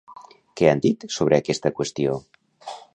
Què han dit sobre aquesta qüestió?